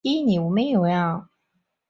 在挑选新会员方面骷髅会也有传统。